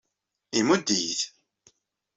Imudd-iyi-t.